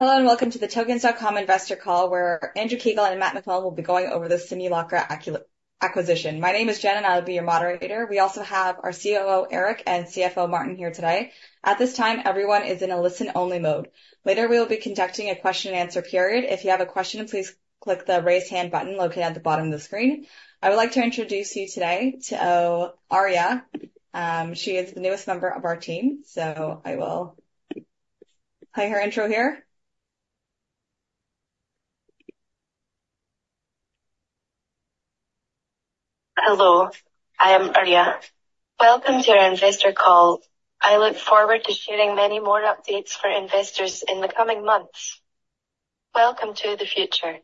Hello and welcome to the Tokens.com investor call where Andrew Kiguel and Matt McMullen will be going over the Simulacra acquisition. My name is Jen and I'll be your moderator. We also have our COO Eric and CFO Martin here today. At this time, everyone is in a listen-only mode. Later we will be conducting a question-and-answer period. If you have a question, please click the raise hand button located at the bottom of the screen. I would like to introduce you today to Aria. She is the newest member of our team, so I will play her intro here. Hello, I am Aria. Welcome to our investor call. I look forward to sharing many more updates for investors in the coming months. Welcome to the future.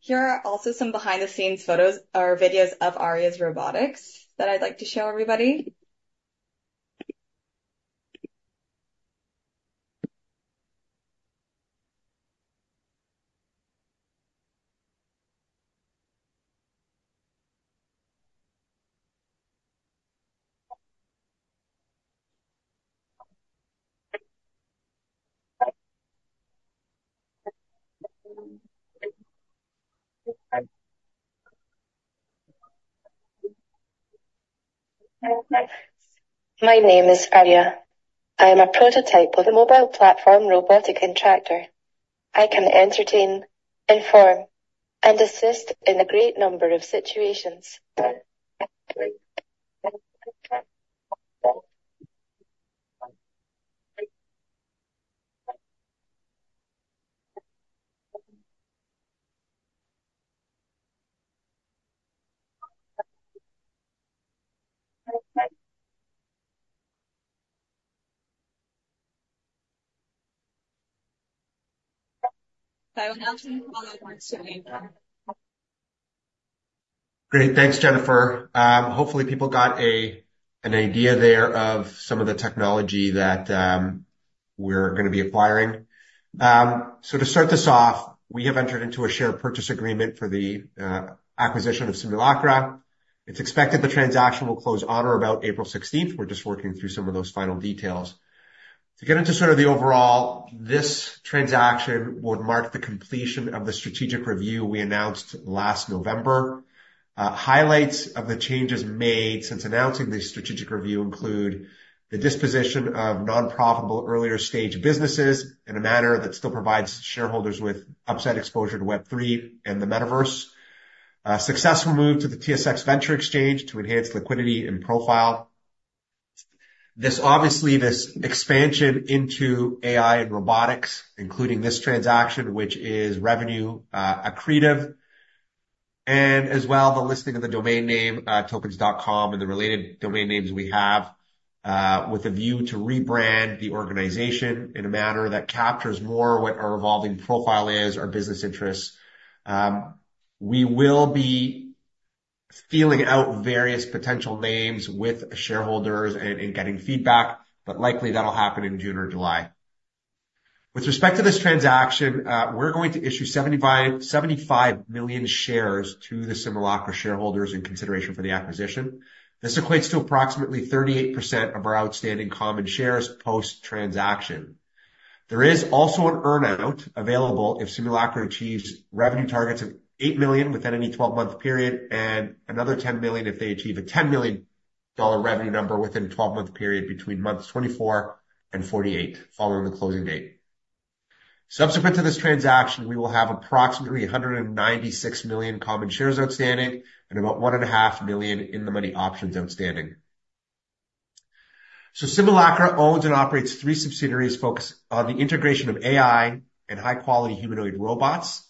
Here are also some behind-the-scenes photos or videos of Aria's robotics that I'd like to show everybody. My name is Aria. I am a prototype of a mobile platform robotic contractor. I can entertain, inform, and assist in a great number of situations. Great. Thanks, Jennifer. Hopefully people got an idea there of some of the technology that we're going to be acquiring. So to start this off, we have entered into a share purchase agreement for the acquisition of Simulacra. It's expected the transaction will close on or about April 16th. We're just working through some of those final details. To get into sort of the overall, this transaction would mark the completion of the strategic review we announced last November. Highlights of the changes made since announcing the strategic review include the disposition of unprofitable early-stage businesses in a manner that still provides shareholders with upside exposure to Web3 and the metaverse. Successful move to the TSX Venture Exchange to enhance liquidity and profile. Obviously, this expansion into AI and robotics, including this transaction, which is revenue accretive, and as well the listing of the domain name, Tokens.com, and the related domain names we have with a view to rebrand the organization in a manner that captures more what our evolving profile is, our business interests. We will be feeling out various potential names with shareholders and getting feedback, but likely that'll happen in June or July. With respect to this transaction, we're going to issue 75 million shares to the Simulacra shareholders in consideration for the acquisition. This equates to approximately 38% of our outstanding common shares post-transaction. There is also an earnout available if Simulacra achieves revenue targets of $8 million within any 12-month period and another $10 million if they achieve a $10 million revenue number within a 12-month period between months 24 and 48 following the closing date. Subsequent to this transaction, we will have approximately 196 million common shares outstanding and about 1.5 million in-the-money options outstanding. So Simulacra owns and operates three subsidiaries focused on the integration of AI and high-quality humanoid robots.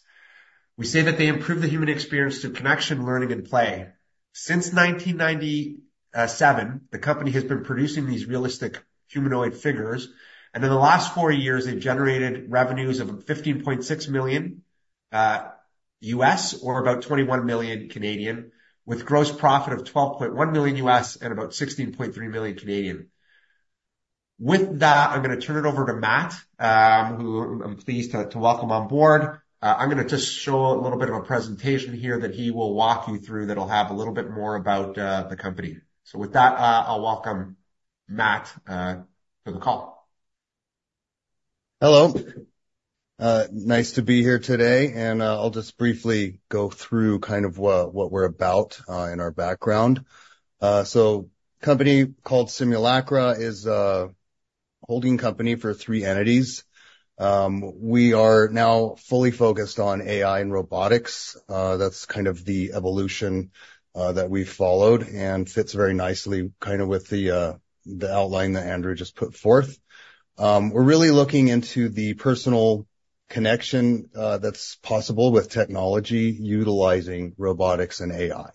We say that they improve the human experience through connection, learning, and play. Since 1997, the company has been producing these realistic humanoid figures, and in the last four years, they've generated revenues of $15.6 million or about 21 million, with gross profit of $12.1 million and about 16.3 million. With that, I'm going to turn it over to Matt, who I'm pleased to welcome on board. I'm going to just show a little bit of a presentation here that he will walk you through that'll have a little bit more about the company. So with that, I'll welcome Matt to the call. Hello. Nice to be here today, and I'll just briefly go through kind of what we're about in our background. A company called Simulacra is a holding company for three entities. We are now fully focused on AI and robotics. That's kind of the evolution that we've followed and fits very nicely kind of with the outline that Andrew just put forth. We're really looking into the personal connection that's possible with technology utilizing robotics and AI.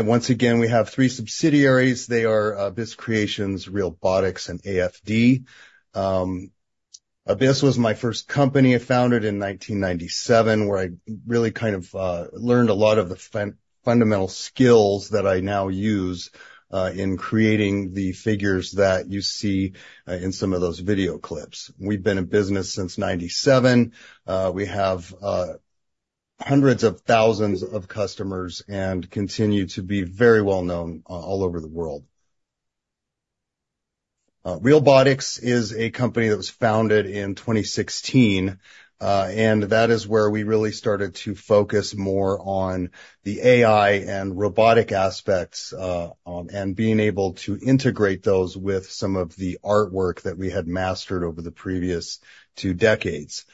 Once again, we have three subsidiaries. They are Abyss Creations, Realbotix, and AFD. Abyss was my first company. I founded in 1997 where I really kind of learned a lot of the fundamental skills that I now use in creating the figures that you see in some of those video clips. We've been in business since 1997. We have hundreds of thousands of customers and continue to be very well-known all over the world. Realbotix is a company that was founded in 2016, and that is where we really started to focus more on the AI and robotic aspects and being able to integrate those with some of the artwork that we had mastered over the previous two decades.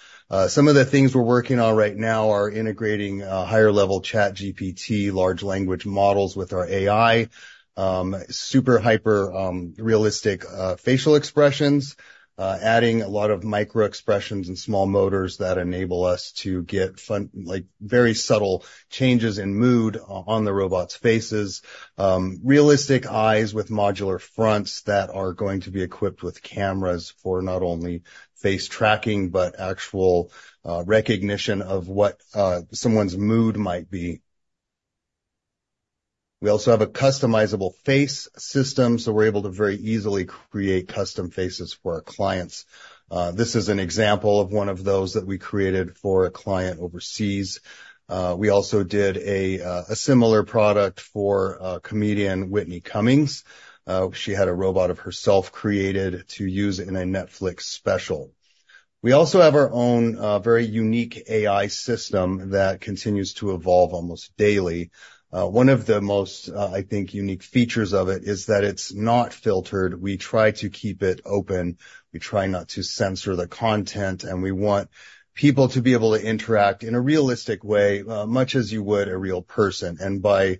Some of the things we're working on right now are integrating higher-level ChatGPT large language models with our AI, super hyper-realistic facial expressions, adding a lot of micro-expressions and small motors that enable us to get very subtle changes in mood on the robots' faces, realistic eyes with modular fronts that are going to be equipped with cameras for not only face tracking but actual recognition of what someone's mood might be. We also have a customizable face system, so we're able to very easily create custom faces for our clients. This is an example of one of those that we created for a client overseas. We also did a similar product for comedian Whitney Cummings. She had a robot of herself created to use in a Netflix special. We also have our own very unique AI system that continues to evolve almost daily. One of the most, I think, unique features of it is that it's not filtered. We try to keep it open. We try not to censor the content, and we want people to be able to interact in a realistic way much as you would a real person. And by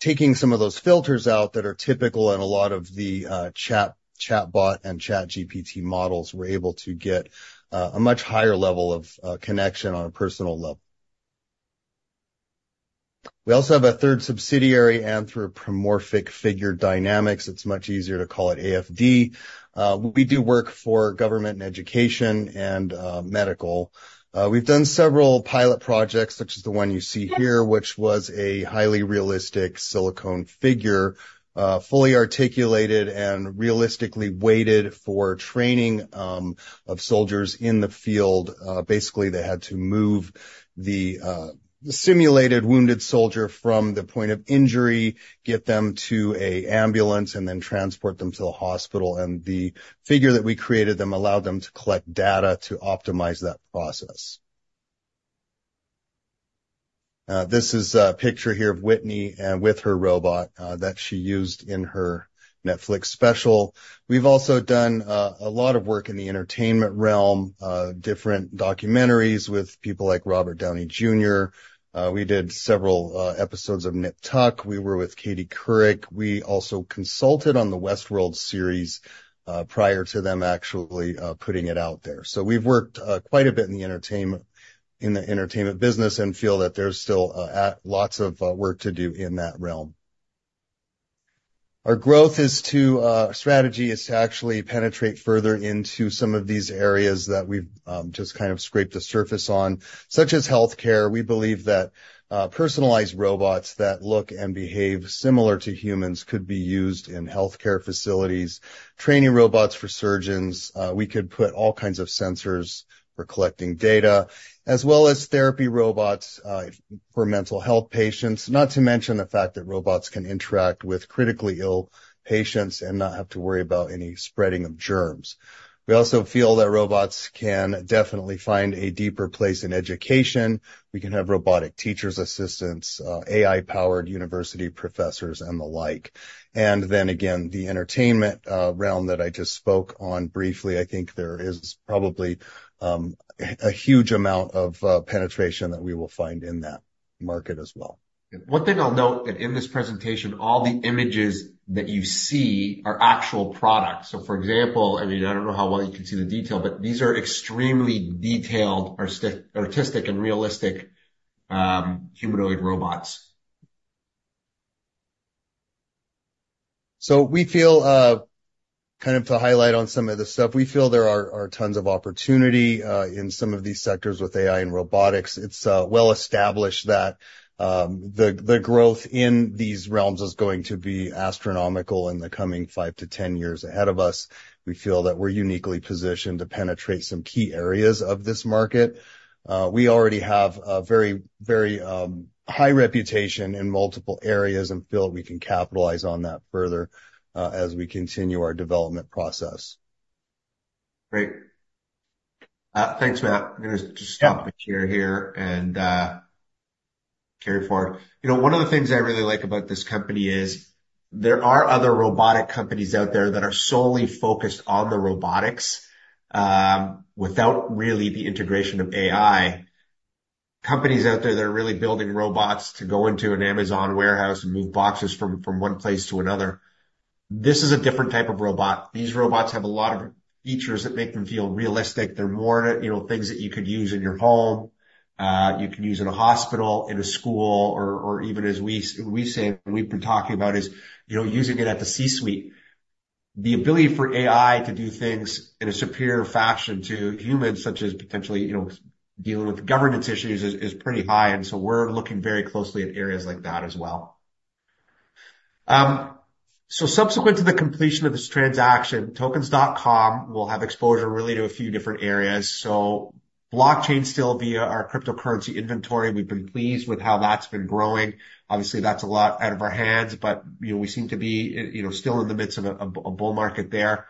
taking some of those filters out that are typical in a lot of the chatbot and ChatGPT models, we're able to get a much higher level of connection on a personal level. We also have a third subsidiary, Anthropomorphic Figure Dynamics. It's much easier to call it AFD. We do work for government and education and medical. We've done several pilot projects such as the one you see here, which was a highly realistic silicone figure, fully articulated and realistically weighted for training of soldiers in the field. Basically, they had to move the simulated wounded soldier from the point of injury, get them to an ambulance, and then transport them to the hospital. And the figure that we created then allowed them to collect data to optimize that process. This is a picture here of Whitney with her robot that she used in her Netflix special. We've also done a lot of work in the entertainment realm, different documentaries with people like Robert Downey Jr. We did several episodes of Nip/Tuck. We were with Katie Couric. We also consulted on the Westworld series prior to them actually putting it out there. So we've worked quite a bit in the entertainment business and feel that there's still lots of work to do in that realm. Our growth is to our strategy is to actually penetrate further into some of these areas that we've just kind of scraped the surface on, such as healthcare. We believe that personalized robots that look and behave similar to humans could be used in healthcare facilities, training robots for surgeons. We could put all kinds of sensors for collecting data, as well as therapy robots for mental health patients, not to mention the fact that robots can interact with critically ill patients and not have to worry about any spreading of germs. We also feel that robots can definitely find a deeper place in education. We can have robotic teachers' assistants, AI-powered university professors, and the like. And then again, the entertainment realm that I just spoke on briefly, I think there is probably a huge amount of penetration that we will find in that market as well. One thing I'll note that in this presentation, all the images that you see are actual products. So for example, I mean, I don't know how well you can see the detail, but these are extremely detailed, artistic, and realistic humanoid robots. So we feel kind of to highlight on some of this stuff, we feel there are tons of opportunity in some of these sectors with AI and robotics. It's well established that the growth in these realms is going to be astronomical in the coming 5-10 years ahead of us. We feel that we're uniquely positioned to penetrate some key areas of this market. We already have a very, very high reputation in multiple areas and feel that we can capitalize on that further as we continue our development process. Great. Thanks, Matt. I'm going to just stop the chair here and carry forward. One of the things I really like about this company is there are other robotic companies out there that are solely focused on the robotics without really the integration of AI. Companies out there that are really building robots to go into an Amazon warehouse and move boxes from one place to another. This is a different type of robot. These robots have a lot of features that make them feel realistic. They're more things that you could use in your home. You can use in a hospital, in a school, or even as we say, we've been talking about is using it at the C-suite. The ability for AI to do things in a superior fashion to humans, such as potentially dealing with governance issues, is pretty high. And so we're looking very closely at areas like that as well. Subsequent to the completion of this transaction, Tokens.com will have exposure really to a few different areas. Blockchain still via our cryptocurrency inventory. We've been pleased with how that's been growing. Obviously, that's a lot out of our hands, but we seem to be still in the midst of a bull market there.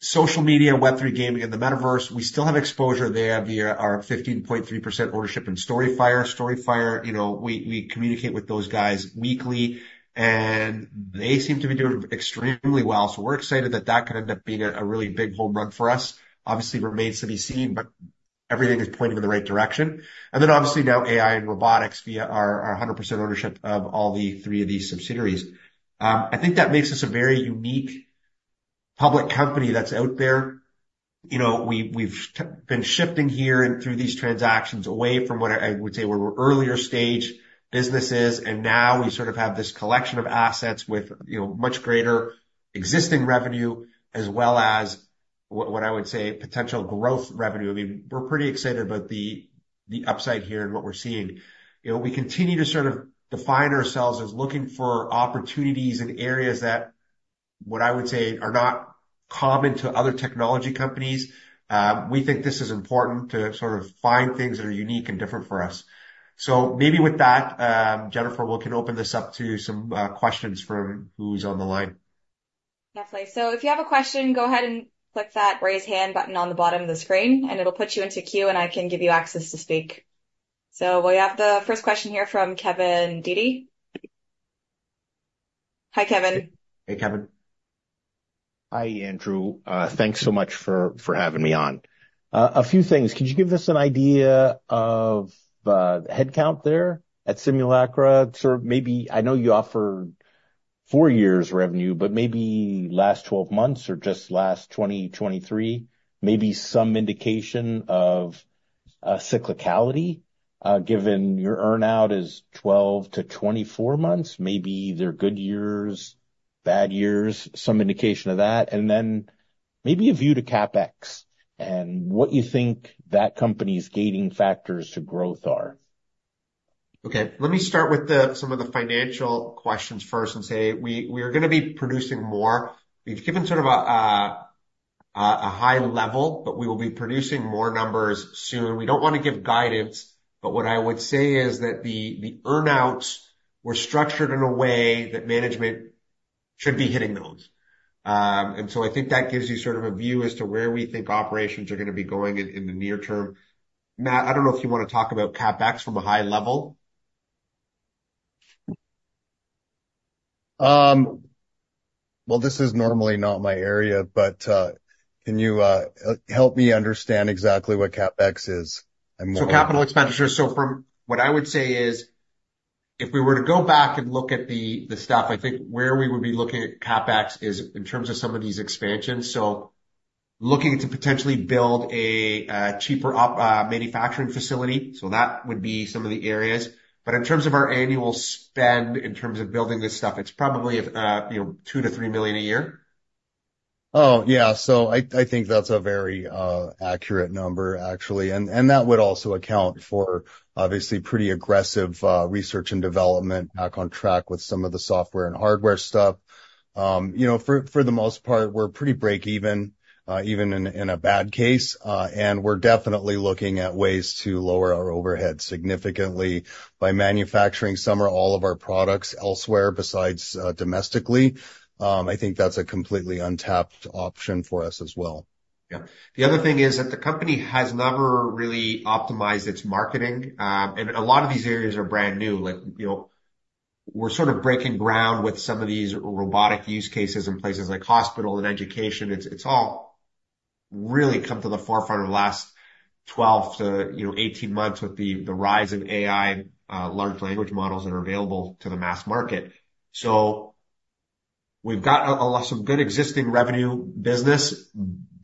Social media, Web3 gaming, and the Metaverse, we still have exposure there via our 15.3% ownership in StoryFire. StoryFire, we communicate with those guys weekly, and they seem to be doing extremely well. We're excited that that could end up being a really big home run for us. Obviously, remains to be seen, but everything is pointing in the right direction. Then obviously now AI and robotics via our 100% ownership of all three of these subsidiaries. I think that makes us a very unique public company that's out there. We've been shifting here and through these transactions away from what I would say were earlier stage businesses. Now we sort of have this collection of assets with much greater existing revenue as well as what I would say potential growth revenue. I mean, we're pretty excited about the upside here and what we're seeing. We continue to sort of define ourselves as looking for opportunities in areas that what I would say are not common to other technology companies. We think this is important to sort of find things that are unique and different for us. Maybe with that, Jennifer, we'll can open this up to some questions from who's on the line. Definitely. So if you have a question, go ahead and click that raise hand button on the bottom of the screen, and it'll put you into queue, and I can give you access to speak. So we have the first question here from Kevin Dede. Hi, Kevin. Hey, Kevin. Hi, Andrew. Thanks so much for having me on. A few things. Could you give us an idea of the headcount there at Simulacra? I know you offer four years revenue, but maybe last 12 months or just last 2023, maybe some indication of cyclicality given your earnout is 12-24 months, maybe they're good years, bad years, some indication of that, and then maybe a view to CapEx and what you think that company's gating factors to growth are. Okay. Let me start with some of the financial questions first and say we are going to be producing more. We've given sort of a high level, but we will be producing more numbers soon. We don't want to give guidance, but what I would say is that the earnouts were structured in a way that management should be hitting those. And so I think that gives you sort of a view as to where we think operations are going to be going in the near term. Matt, I don't know if you want to talk about CapEx from a high level. Well, this is normally not my area, but can you help me understand exactly what CapEx is? Capital expenditure. What I would say is if we were to go back and look at the stuff, I think where we would be looking at CapEx is in terms of some of these expansions. Looking to potentially build a cheaper manufacturing facility. That would be some of the areas. But in terms of our annual spend in terms of building this stuff, it's probably $2-3 million a year. Oh, yeah. So I think that's a very accurate number, actually. And that would also account for obviously pretty aggressive research and development back on track with some of the software and hardware stuff. For the most part, we're pretty break-even, even in a bad case. And we're definitely looking at ways to lower our overhead significantly by manufacturing some or all of our products elsewhere besides domestically. I think that's a completely untapped option for us as well. Yeah. The other thing is that the company has never really optimized its marketing. A lot of these areas are brand new. We're sort of breaking ground with some of these robotic use cases in places like hospital and education. It's all really come to the forefront of the last 12-18 months with the rise of AI Large Language Models that are available to the mass market. So we've got some good existing revenue business,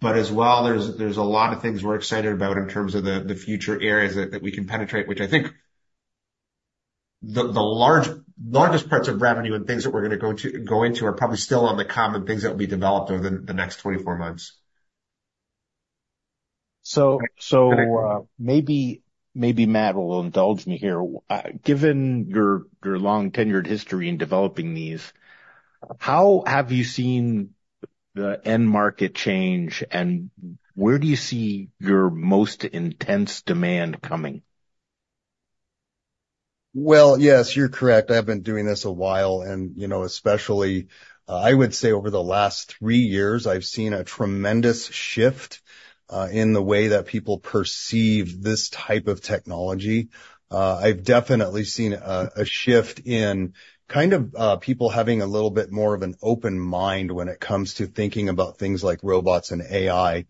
but as well, there's a lot of things we're excited about in terms of the future areas that we can penetrate, which I think the largest parts of revenue and things that we're going to go into are probably still on the common things that will be developed over the next 24 months. So maybe Matt will indulge me here. Given your long-tenured history in developing these, how have you seen the end market change, and where do you see your most intense demand coming? Well, yes, you're correct. I've been doing this a while. Especially, I would say over the last three years, I've seen a tremendous shift in the way that people perceive this type of technology. I've definitely seen a shift in kind of people having a little bit more of an open mind when it comes to thinking about things like robots and AI.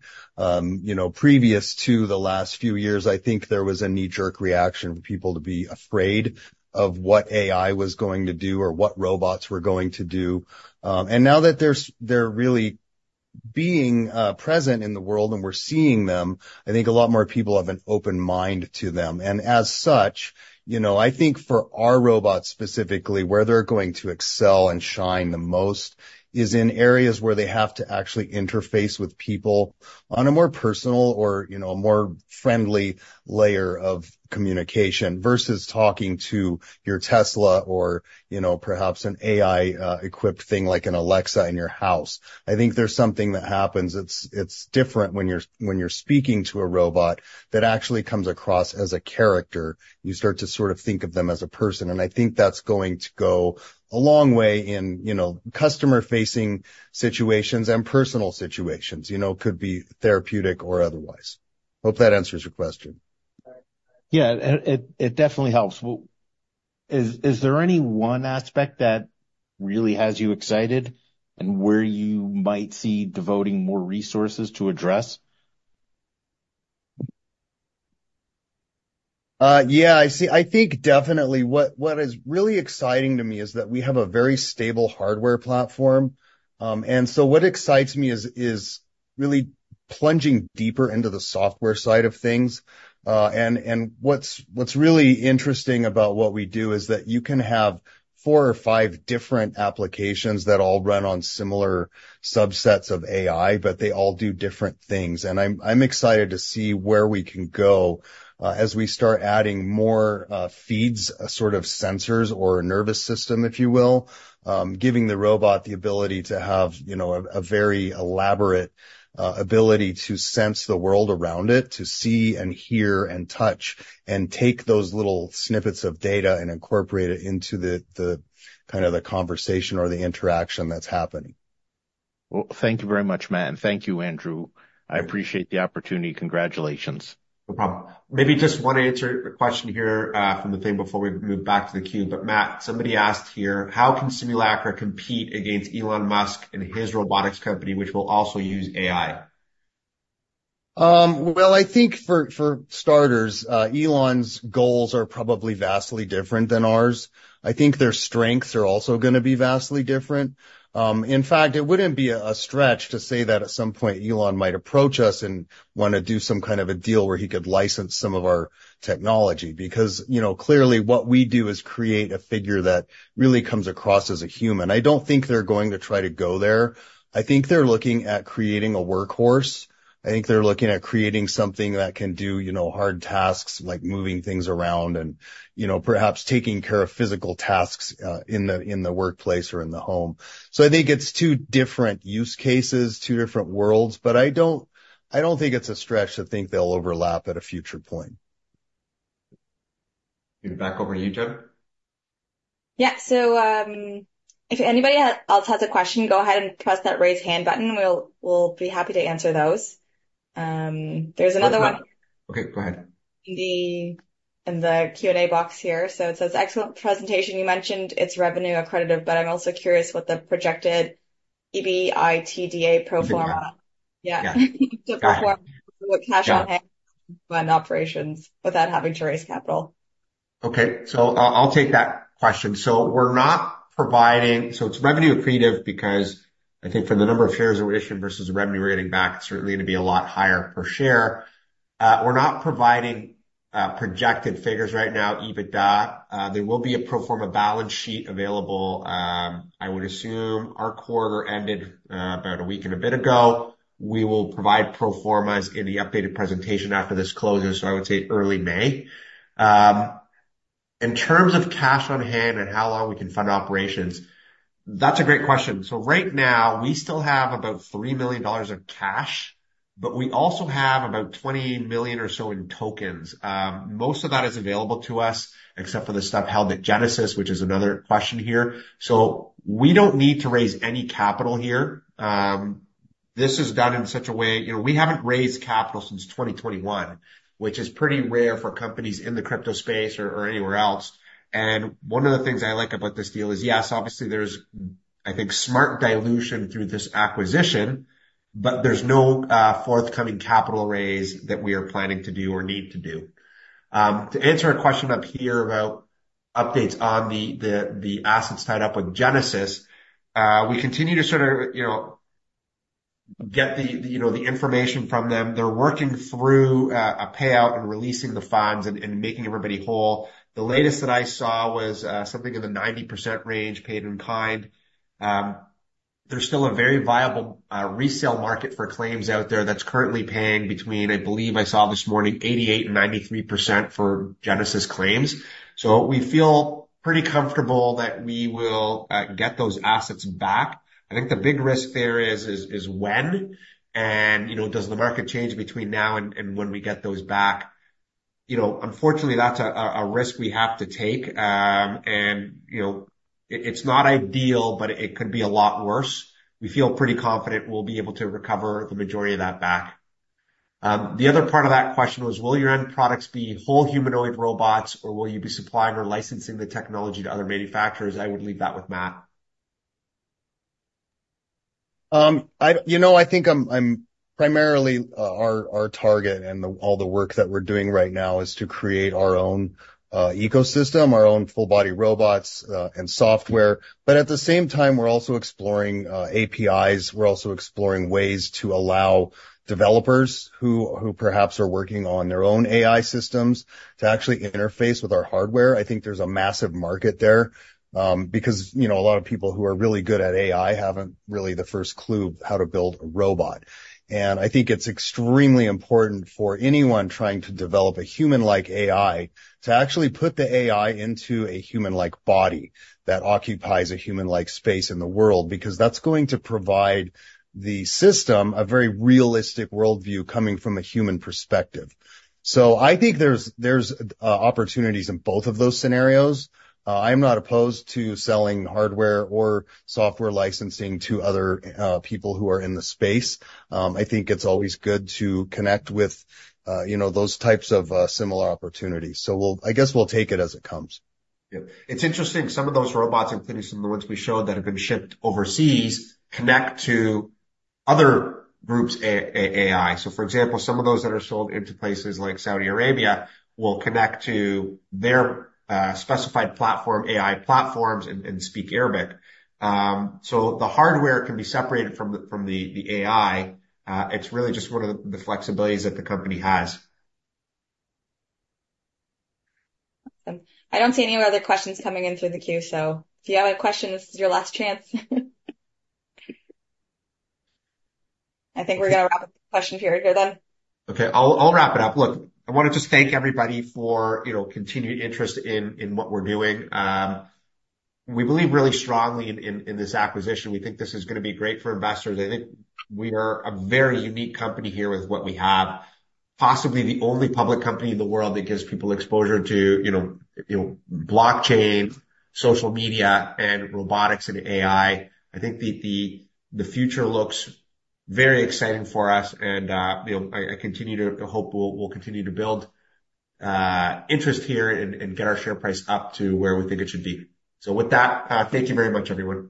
Previous to the last few years, I think there was a knee-jerk reaction for people to be afraid of what AI was going to do or what robots were going to do. Now that they're really being present in the world and we're seeing them, I think a lot more people have an open mind to them. As such, I think for our robots specifically, where they're going to excel and shine the most is in areas where they have to actually interface with people on a more personal or a more friendly layer of communication versus talking to your Tesla or perhaps an AI-equipped thing like an Alexa in your house. I think there's something that happens. It's different when you're speaking to a robot that actually comes across as a character. You start to sort of think of them as a person. And I think that's going to go a long way in customer-facing situations and personal situations, could be therapeutic or otherwise. Hope that answers your question. Yeah, it definitely helps. Is there any one aspect that really has you excited and where you might see devoting more resources to address? Yeah, I think definitely what is really exciting to me is that we have a very stable hardware platform. And so what excites me is really plunging deeper into the software side of things. And what's really interesting about what we do is that you can have four or five different applications that all run on similar subsets of AI, but they all do different things. And I'm excited to see where we can go as we start adding more feeds, sort of sensors or a nervous system, if you will, giving the robot the ability to have a very elaborate ability to sense the world around it, to see and hear and touch and take those little snippets of data and incorporate it into kind of the conversation or the interaction that's happening. Well, thank you very much, Matt. Thank you, Andrew. I appreciate the opportunity. Congratulations. No problem. Maybe just want to answer a question here from the thing before we move back to the queue. But Matt, somebody asked here, how can Simulacra compete against Elon Musk and his robotics company, which will also use AI? Well, I think for starters, Elon's goals are probably vastly different than ours. I think their strengths are also going to be vastly different. In fact, it wouldn't be a stretch to say that at some point, Elon might approach us and want to do some kind of a deal where he could license some of our technology because clearly, what we do is create a figure that really comes across as a human. I don't think they're going to try to go there. I think they're looking at creating a workhorse. I think they're looking at creating something that can do hard tasks like moving things around and perhaps taking care of physical tasks in the workplace or in the home. So I think it's two different use cases, two different worlds. But I don't think it's a stretch to think they'll overlap at a future point. Back over to you, Jennifer. Yeah. So if anybody else has a question, go ahead and press that raise hand button. We'll be happy to answer those. There's another one. Okay. Go ahead. In the Q&A box here. So it says, "Excellent presentation. You mentioned it's revenue accredited, but I'm also curious what the projected EBITDA pro forma cash on hand and operations without having to raise capital. Okay. So I'll take that question. So we're not providing so it's revenue accretive because I think for the number of shares that we're issuing versus the revenue we're getting back, it's certainly going to be a lot higher per share. We're not providing projected figures right now, EBITDA. There will be a pro forma balance sheet available, I would assume. Our quarter ended about a week and a bit ago. We will provide pro formas in the updated presentation after this closes, so I would say early May. In terms of cash on hand and how long we can fund operations, that's a great question. So right now, we still have about $3 million of cash, but we also have about 20 million or so in tokens. Most of that is available to us except for the stuff held at Genesis, which is another question here. So we don't need to raise any capital here. This is done in such a way we haven't raised capital since 2021, which is pretty rare for companies in the crypto space or anywhere else. And one of the things I like about this deal is, yes, obviously, there's, I think, smart dilution through this acquisition, but there's no forthcoming capital raise that we are planning to do or need to do. To answer a question up here about updates on the assets tied up with Genesis, we continue to sort of get the information from them. They're working through a payout and releasing the funds and making everybody whole. The latest that I saw was something in the 90% range, paid in kind. There's still a very viable resale market for claims out there that's currently paying between, I believe I saw this morning, 88%-93% for Genesis claims. So we feel pretty comfortable that we will get those assets back. I think the big risk there is when. And does the market change between now and when we get those back? Unfortunately, that's a risk we have to take. It's not ideal, but it could be a lot worse. We feel pretty confident we'll be able to recover the majority of that back. The other part of that question was, will your end products be whole humanoid robots, or will you be supplying or licensing the technology to other manufacturers? I would leave that with Matt. I think primarily our target and all the work that we're doing right now is to create our own ecosystem, our own full-body robots and software. But at the same time, we're also exploring APIs. We're also exploring ways to allow developers who perhaps are working on their own AI systems to actually interface with our hardware. I think there's a massive market there because a lot of people who are really good at AI haven't really the first clue how to build a robot. And I think it's extremely important for anyone trying to develop a human-like AI to actually put the AI into a human-like body that occupies a human-like space in the world because that's going to provide the system a very realistic worldview coming from a human perspective. So I think there's opportunities in both of those scenarios. I am not opposed to selling hardware or software licensing to other people who are in the space. I think it's always good to connect with those types of similar opportunities. So I guess we'll take it as it comes. Yeah. It's interesting. Some of those robots, including some of the ones we showed that have been shipped overseas, connect to other groups' AI. So for example, some of those that are sold into places like Saudi Arabia will connect to their specified platform AI platforms and speak Arabic. So the hardware can be separated from the AI. It's really just one of the flexibilities that the company has. Awesome. I don't see any other questions coming in through the queue. So if you have a question, this is your last chance. I think we're going to wrap up the question period here, then. Okay. I'll wrap it up. Look, I want to just thank everybody for continued interest in what we're doing. We believe really strongly in this acquisition. We think this is going to be great for investors. I think we are a very unique company here with what we have, possibly the only public company in the world that gives people exposure to blockchain, social media, and robotics and AI. I think the future looks very exciting for us. And I continue to hope we'll continue to build interest here and get our share price up to where we think it should be. So with that, thank you very much, everyone.